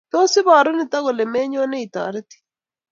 Tos ibaru nitok kole menyone itoreti?